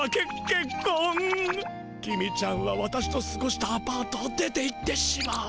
公ちゃんは私とすごしたアパートを出ていってしまう。